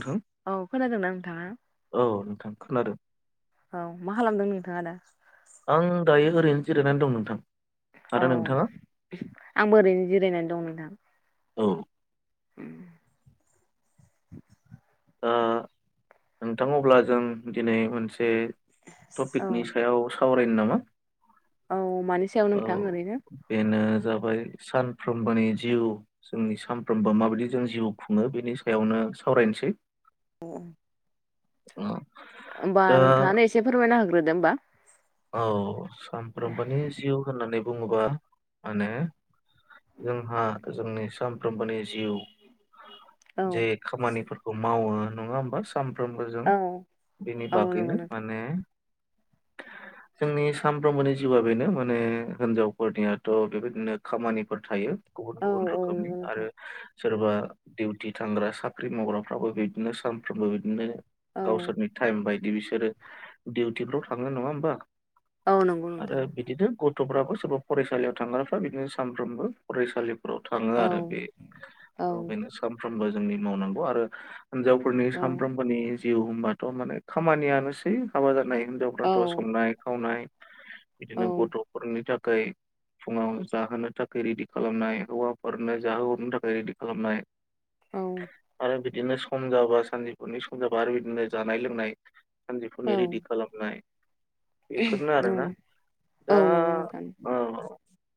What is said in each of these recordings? नोंथां औ खोनादोंना नोंथाङा औ नोंथां खोनादों औ मा खालामदों नोंथाङा दा आं दायो ओरैनो जिरायनानै दं नोंथां। औ आरो नोंथाङा आं बो ओरैनो जिरायनानै दं नोंथां औ उम ओ नोंथां अब्ला जों दिनै मोनसे औ टपिकनि सायाव सावरायनो नामा? औ मानि सायाव औ नोंथां ओरैनो बेनो जा बाय सानफ्रोमबानि जिउ जोंनि सानफ्रोमबो माबायदि जों जिउ खुङो बेनि सायावनो सावरायनोसै अ औ। होमबा नोंथाङानो एसे फोरमायना होग्रोदो होमबा। औ सामफ्रोमबोनि जिउ होननानै बुङोबा माने जोंहा जोंनि सामफ्रोमबोनि जिउ औ जे खामानिफोर मावो नङा होमबा सानफ्रोमबो जों औ बेनि औ नंगौ बागैनो नोंथां माने जोंनि सामफ्रोमबोनि जिउआ बेनो माने हिनजावफोरनियाथ' बेबायदिनो खामानिफोर थायो। गुबुन औ गुबुन औ रोखोमनि नंगौ नोंथां आरो सोरबा दिउटि थांग्रा साख्रि मावग्राफ्राबो बिदिनो सानफ्रोमबो बिदिनो औ गावसोरनि टाइम बायदि बिसोरो दिउटिफ्राव थांनाय नङा होमबा? औ नंगौ आरो नोंथां बिदिनो गथ'फ्राबो सोरबा फरायसालियाव थांग्राफ्रा बिदिनो सानफ्रोमबो फरायसालि फोराव थाङो औ आरो बे। औ बेनो सानफ्रोमबो जोंनि मावनांगौ आरो हिनजावफोरनि औ सानफ्रोमबोनि जिउ होमबाथ' माने खामानियानोसै हाबा जानाय औ हिनजावफ्राथ' संनाय खावनाय बिदिनो गथ'फोरनि थाखाय फुङाव जाहोनो थाखाय रेडि खालामनाय हौवाफोरनो जाहोहरनो थाखाय रेडि खालामनाय औ। आरो बिदिनो सम जाबा सानजौफुनि सम जाबा आरो बिदिनो जानाय लोंनाय औ सानजौफुनि रेडि खालामनाय। बेफोरनो आरोना औ दा नंगौ नोंथां औ।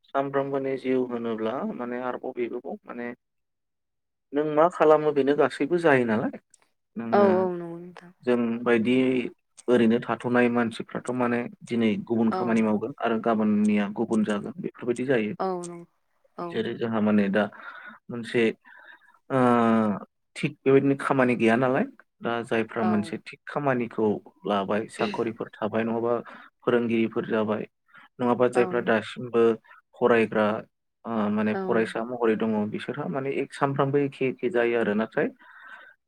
सानफ्रोमबोनि जिउ होनोब्ला माने आरोबाव बेबोबाव माने नों मा खालामो बेनो गासैबो जायो नालाय। औ नोङो औ नंगौ नोंथां जों बायदि ओरैनो थाथ'नाय मानसिफ्राथ' माने दिनै गुबुन औ खामानि मावगोन आरो गाबोननिया गुबुन जागोन बे। बेफोरबायदि जायो, औ नंगौ औ जेरै जोंहा माने दा मोनसे ओ थिग बेबायदिनो खामानि गैया नालाय दा जायफ्रा मोनसे थिग खामानिखौ लाबाय साखरिफोर थाबाय नङाबा फोरोंगिरिफोर जाबाय नङाबा जायफ्रा दासिमबो फरायग्रा ओ माने फरायसा महरै दङ। बिसोरहा माने एक सानफ्रामबो एखे एखे जायो आरो नाथाय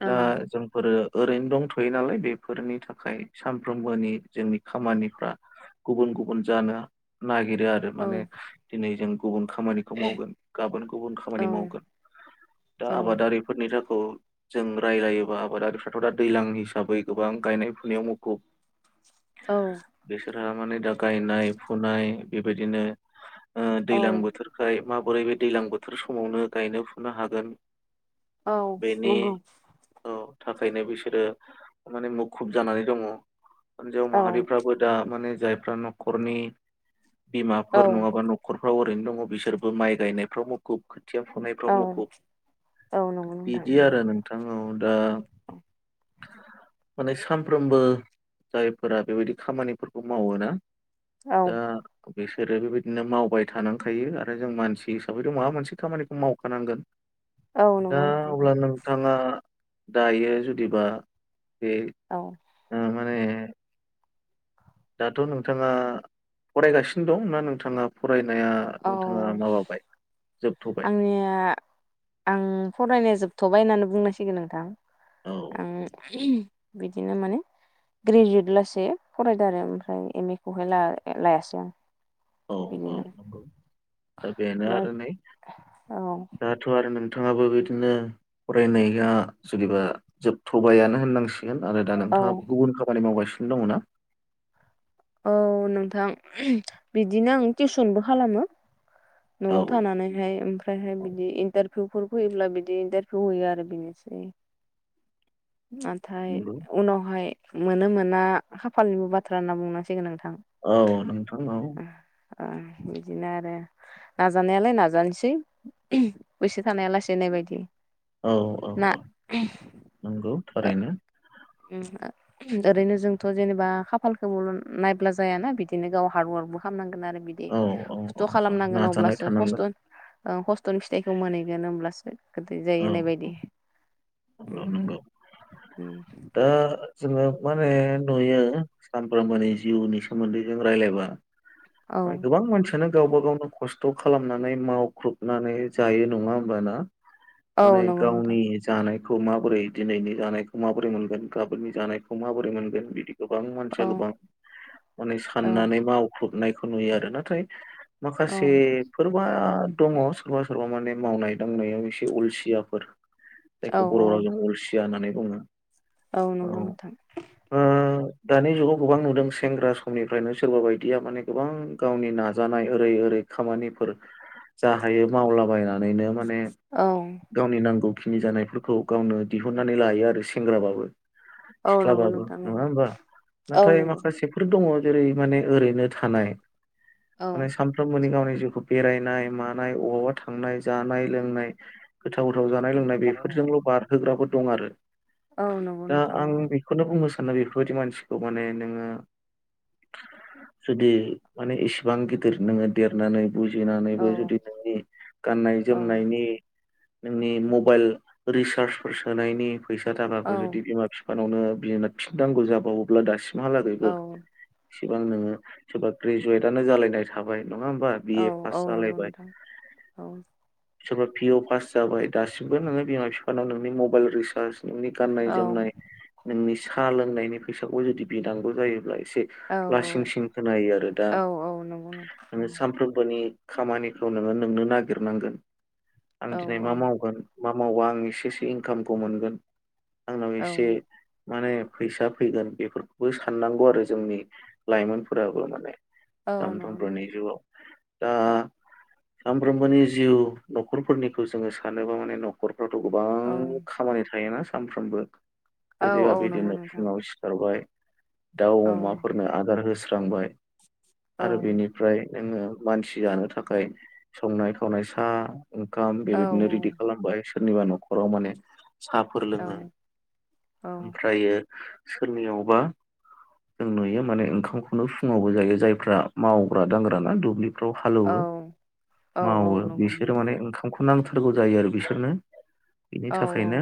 दा जोंफोरो ओरैनो दंथ'यो नालाय बेफोरनि थाखाय सानफ्रोमबोनि जोंनि खामानिफ्रा गुबुन गुबुन जानो ना नागिरो आरो औ माने दिनै जों गुबुन खामानिखौ मावगोन गाबोन गुबुन औ खामानि मावगोन। दा औ आबादारिफोरनि थाख खौ जों रायजलायोबा आबादारिफ्राथ' दा दैजलां हिसाबै गोबां गायनाय फुनायाव मुखुब। औ। फोरहा माने दा गायनाय फुनाय बेबायदिनो ओ औ दैलां बोथोरखाय माबोरै बे दैलां बोथोर समावनो गायनो फुनो हागोन औ बेनि नंगौ औ। थाखायनो बिसोरो माने मुखुब जानानै दङ। हिनजाव औ माहारिफ्राबो दा माने जायफ्रा न'खरनि औ बिमाफोर नङाबा न'खर फ्राव ओरैनो दङ बिसोरबो माइ गायनायफ्राव मुखुब। खोथिया फुनाय फोराव औ मुखुब, औ नंगौ नोंथां बिदि आरो नोंथां औ दा माने सानफ्रोमबो जायफोरा बेबायदि खामानिफोरखौ मावो ना, औ दा बिसोरो बेबायदिनो मावबाय थानांखायो आरो जों मानसि हिसाबैथ माबा मोनसे खामानिखौ मावखानांगोन। औ दा नंगौ नोंथां अब्ला नोंथाङा दायो जुदिबा बे औ ओ माने दाथ' नोंथाङा फरायगासिनो दं ना नोंथाङा फरायनाया नोंथाङा औ माबाबाय? जोबथ'बाय आंनिया आं परायनाइआ जोबथ'बाय होननानै बुंनांसिगोन नोंथां औ आं बिदिनो माने ग्रेजुयेट लास फरायदों आरो ओमफ्राय एम ए खौहाय लायासै आं औ औ बिदिनो नंगौ दा बेनो आरो नै औ दाथ' आरो नोंथाङाबो बिदिनो फरायनाया जुदिबा जोबथ'बायानो होननांसिगोन आरो दा औ नोंथाङा गुबुन खामानि मावगासिनो दङ ना औ नोंथां बिदिनो आं टिउसनबो खालामो औ न'आव थानानैहाय ओमफ्रायहाय औ बिदि इन्टार इभिउ होयोब्ला बिदि इन्टारभिउ होयो आरो बेनोसै नाथाय नंगौ उनावहाय मोनो मोना खाफालनिबो बाथ्रा होनना बुंनांसिगोन आं औ नोंथां औ बिदिनो आरो नाजानायालाय नाजानोसै एसे थानाया लासेनाय बायदि औ औ औ नंगौ थारैनो ओरैनो जोंथ' जेनेबा खाफालखौबो नायब्ला जायाना बिदिनो गाव हार्डवारक आंबो खालामनांगोन आरो बिदि औ औ औ खस्थ' औ खालामनांगोन नाजानाय अब्लासो थानांगोन खस्थ' हस्थ'नि फिथाइखौ मोनहैगोन होमब्लासो गोदै जायो होननाय बायदि नगौ नगौ दा जोङो माने नुयो सानफ्रोमबोनि जिउनि सोमोन्दै जों रायलायबा औ गोबां मानसियानो गावबा गावनो खस्थ' खालामनानै मावख्रुबनानै जायो नङा होमबा ना औ माने नंगौ नोंथां गावनि जानायखौ माबोरै दिनैनि जानायखौ माबोरै माबोरै मोनगोन गाबोननि जानायखौ माबोरै मोनगोन बिदि गोबां मानसिया औ गोबां माने औ साननानै मावफुबनायखौ नुयो आरो नाथाय औ माखासे फोरबा दङ सोरबा सोरबा माने मावनाय दांनायाव एसे उलसियाफोर औ जायखौ औ बर' रावजों अलसिया होननानै बुङो औ नंगौ नोंथां ओ दानि जुगाव गोबां नुदों सेंग्रा समनिफ्रायनो सोरबा बायदिया माने गोबां गावनि नाजानाय ओरै ओरै खामानिफोर जा हायो मावलाबायनानैनो मा ने औ गावनि नांगौखिनि जानायफोरखौ गावनो दिहुननानै लायो आरो सेंग्राबाबो औ नंगौ सिख्लाबाबो नोंथां नङा नंगौ होमबा औ नाथाय नंगौ माखासेफोर दङ जेरै माने ओरैनो थानाय औ माने सानफ्रोमबोनि गावनि जिउखौ बेरायनाय मानाय अबावबा थांनाय जानाय लोंनाय गोथाव गोथाव जानाय लोंनाय बेफोरजोंल' बारहोग्राबो दं आरो औ नंगौ दा नोंथां आं नंगौ बेखौनो बुं मोसानो बेफोरबायदि मानसिखौ माने नोङो जुदि माने इसेबां गिदिर नोङो देरनानै औ बुजिनानैबो जुदि नोंनि गाननाय औ जोमनायनि नोंनि मबाइल रिसार्जफोर सोनायनि फैसा औ थाखाखौ जुदि बिमा बिफा बिफानावनो बिना फिननांगौ जाबावोब्ला दासिमहालागैबो औ इसिबां नोङो सोरबा ग्रेजुवेटनो जालायनाय थाबाय नङा होमबा औ बिए फास औ नंगौ जालायबाय नोंथां औ सोरफ्रा पिअ पास जाबाय दासिमबो नोङो बिमा बिफानाव नोंनि मबाइल रिसार्ज नोंनि गाननाय जोमनाय नोंनि साहा लोंनायनि फैसाखौ जुदि बिनांगौ जायोब्ला एसे औ लासिं सिं खोनायो आरो दा औ औ नंगौ नोंथां नों सानफ्रोमबोनि खामानिखौ नोङो नोंनो नागिरनांगोन आं औ दिनै औ मा मावगोन मा मावबा आं एसेसो इनकामखौ मोनगोन आंनाव औ एसे माने फैसा फैगोन बेफोरखौबो साननांगौ आरो जोंनि लाइमोनफोराबो माने औ नंगौ सानफ्रोमबोनि नोंथां जिवआव दा सामफ्रोमबोनि जिउ न'खरफोरनिखौ जोङो सानोबा माने न'खर रथ' औ गोबां खामानि थायोना सानफ्रोमबो औ ओरैबा औ नंगौ बिदिनो नोंथां फुङाव सिखारबाय दाउ औ अमाफोरनो आदार होस्रांबाय औ आरो बेनिफ्राय जोङो मानसि जानो थाखाय संनाय खावनाय सा ओंखाम औ बेबायदिनो रेडि खालामबाय सोरनिबा न'खराव माने सा फोर औ लोङो औ ओमफ्रायो सोरनियावबा जों नुयो माने ओंखामखौनो फुङावबो जायो जायफ्रा मावग्रा दांग्रा ना दुब्लि थ' औ हालौवो औ मावो नंगौ बिसोर नोंथां माने ओंखाम नांथारगौ जायो आरो बिसोरनो बिनि औ थाखायनो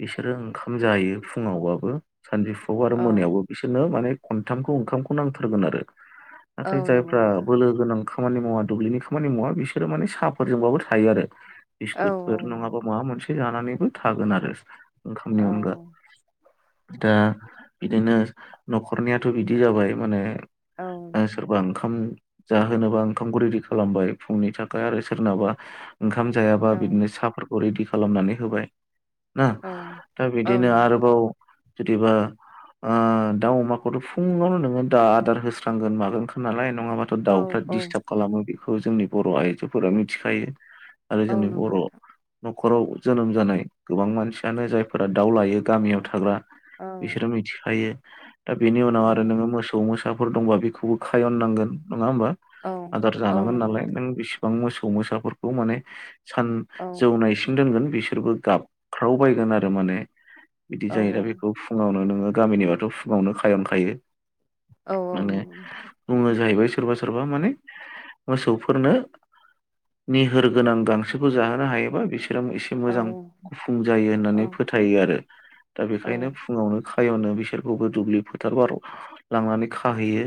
बिसोरो ओंखाम जायो फुङावबाबो सानजौफुआव आरो औ मोनायावबो बिसोरनो माने खनथामखौ ओंखामखौ नांथारगोन आरो औ औ नाथाय नंगौ जायफ्रा नोंथां बोलो गोनां खामानि मावा दुब्लिनि खामानि मावा बिसोरो माने साफोरजोंबाबो थायो आरो औ औ बिस्कुटफोर नंगौ नङाबा माबा मोनसे जानानैबो थागोन आरो ओंखामनि औ अनगा दा बिदिनो न'खरनियाथ' बिदि जाबाय माने ओ औ सोरबां ओंखाम जाहोनोबा ओंखामखौ रेडि खालामबाय फुंनि थाखाय आरो सोरनाबा ओंखाम जायाबा बिदिनो औ साहाफोरखौ रेडि खालामनानै होबाय। ना दा औ बिदिनो नंगौ नोंथां आरोबाव जुदिबा ओ दाउ अमाखौथ' फुङावनो नोङो दा आदार होस्रांगोन मागोन खा नालाय नङाबाथ' औ दाउफ्रा औ डिस्टाब खालामो बेखौ जोंनि बर' आइजोफोरा मिथिखायो। आरो औ जोंनि नंगौ बर' नोंथां न'खराव जोनोम जानाय गोबां मानसियानो जायफोरा दाउ लायो गामियाव थाग्रा औ बिसोरो मिथिखायो। दा बेनि औ उनाव आरो नोङो मोसौ मोसाफोर दंबा बेखौबो खायननांगोन। नङा होमबा औ आदार औ जानांगोन नंगौ नालाय नोंथां नों बेसिबां मोसौ मोसाफोरखौ माने सान औ जौनायसिम दोनगोन बिसोरबो गाबख्रावबायगोन आरो माने। बिदि औ जायो दा बेखौ फुङावनो नोङो गामिनिबाथ' फुङावनो खायनखायो। औ औ माने नंगौ नोंथां बुङो जाहैबाय। सोरबा सोरबा माने मोसौफोरनो निहोर गोनां गां सोखौ जाहोनो हायोबा बिसोरो एसे औ मोजां फुं जायो होननानै फोथायो आरो दा औ बेखायनो फुङावनो खायावनो बिसोरखौबो दुब्लि फोथार बार लांनानै खाहैयो।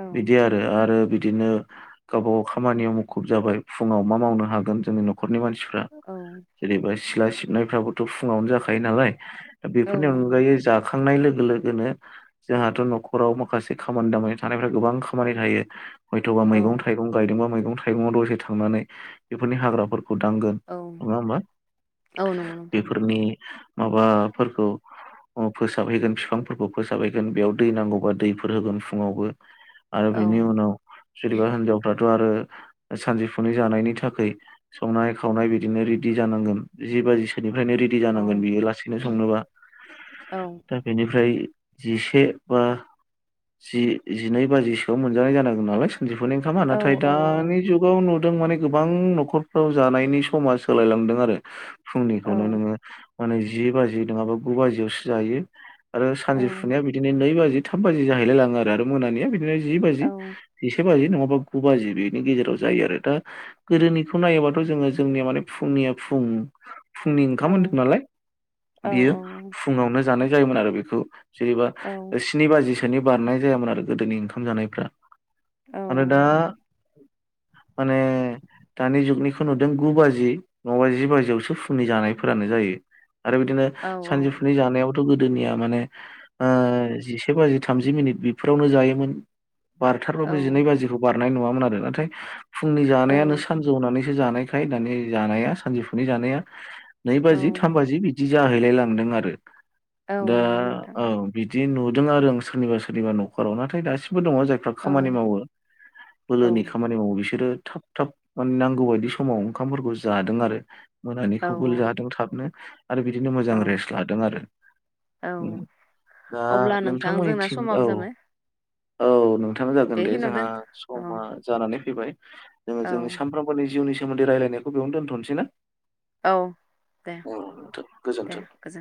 औ बिदि आरो आरो बि दिनो गावबा गाव खामानियाव मुखुब जाबाय फुङाव मा मावनो हागोन जोंनि न'ख न'खरनि मानसिफ्रा औ जेनैबा सिला सिबनायफ्राबोथ' फुङावनो जाखायो नालाय दा औ बेफोरनि नंगौ अनगायै नोंथां जाखांनाय लों लोगो लोगोनो जोंहाथ' न'खराव माखासे खामानि दामानि थानायफोरा गोबां खामानि थायो। हयथ'बा औ मैगं थाइगं गायदोंबा मैगं थाइगंआव दसे थांनानै बेफोरनि हाग्राफोर दांगोन औ नङा होमबा औ नंगौ‌ नोंथां नंगौ। बेफोरनि माबाफोरखौ अ फोसाबहैगोन बिफांफोरखौ फोसाबहैगोन बेयाव दै नांगौबा दैफोर होगोन फुङावबो। आरो औ बिनि उनाव जेनेबा हिनजावफ्रा थ' आरो सानजौफुनि जानायनि थाखाय संनाय खावनाय बिदिनो रेदि जानांगोन जि बाजिसोनि ओमफ्रायनो रेडि औ जानांगोन बियो लासैनो संनोबा औ दा बेनिफ्राय जिसे बा जि-जिनै बा जिसेआव मोनजानाय जानांगोन नालाय सानजौफुनि ओंखामा औ नाथाय औ दानि जुगाव नुदों माने गोबां न'खरफ्राव जानायनि समा सोलायलां नो हमदों आरो औ फुंनिखौनो नोङो माने जि बाजि नङाबा गु बाजियावसो जायो। आरो औ सानजोफुनिया बिदिनो नै बाजि थाब बाजि जाहैलाय लाङो आरो मोनानिया बे थिनो जि बाजि औ जिसे बाजि नङाबा बा गु बाजि बेनि गेजेराव जायो आरो दा गोदोनिखौ नायोबथ' जोंङो जोंनिया माने फु फुंनिया फुं फुंनि ओंखाम होनदों नालाय बियो नंगौ औ फुुंआवनो जानाय जायोमोन आरो बेखौ जेरैबा स्नि बाजि सो नि बारनाय जायामोन आरो गोदोनि ओंखाम जानायफ्रा आरो दा माने दानि जुगनिखौ नुदों गु बाजि नङाबा जि बाजियावसो फुंनि जानायफोरानो जायो आरो बिदिनो औ सानजौफुनि जानायाव थ' गोदोनिया माने ओ जिसे बाजि थामजि मिनिट बेफोरावनो जायोमोन। बारथारबाबो जिनै बाजिखौ बारनाय नुङामोन आरो नाथाय फुंनि जानायानो औ सानजौनानै जानायखाय जानाया सानजौफुनि जानाया नै बाजि थाम औ बाजि बि बिदि जाहैलाय लांदों आरो दा नंगौ नोंथां औ बि दि नुदों आरो आं सोरनिबा सोरनिबा न'खराव नाथाय दासिम मबो दङ जायफ्रा औ खामानि मावो औ बोलोनि खामानि मावो बिसोरो थाब थाब माने नांगौ बायदि समाव ओंखामफोरखौ जादों आरो मोनानिखौबो औ जादों थाबनो आरो बिदिनो मोजां रेस्ट लादों आरो। औ औ दा अब्ला नोंथां नोंथांमोननि जोंना थिं औ समाबो जाबाय औ नोंथां जागोन दे बेखिनियाव जोंहा दोन औ समा जानानै फैबाय। जोङो औ जोंनि सामफ्रोमबोनि जिउनि सोमोन्दै रायजलायनायखौ बेयावनो दोनथ'नोसै ना। औ दे औ नोंथां दे गोजोन्थों। गोजोन